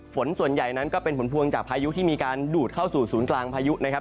ฝนส่วนใหญ่นั้นก็เป็นผลพวงจากพายุที่มีการดูดเข้าสู่ศูนย์กลางพายุนะครับ